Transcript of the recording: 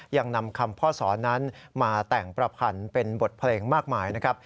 ยังนำคำพ่อสอนนั้นมาแต่งประพันธ์เป็นบทเพลงมากมายนะครับ